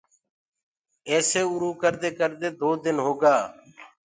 ايسي اُروُ ڪردي ڪردي دو دن هوگآ۔